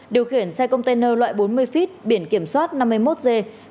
điều khiển xe container loại bốn mươi ft biển kiểm soát năm mươi một g ba mươi sáu nghìn bốn trăm ba mươi bốn